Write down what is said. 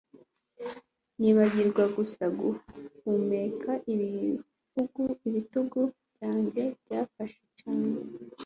nibagirwa gusa guhumeka. ibitugu byanjye byafashe cyane